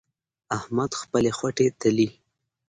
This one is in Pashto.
احمد خپلې خوټې تلي.